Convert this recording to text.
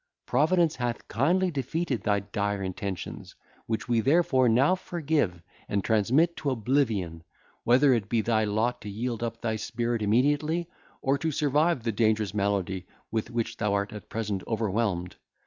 Providence hath kindly defeated thy dire intentions, which we therefore now forgive and transmit to oblivion, whether it be thy lot to yield up thy spirit immediately, or to survive the dangerous malady with which thou art at present overwhelmed.